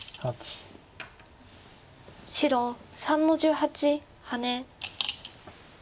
白３の十八ハネ。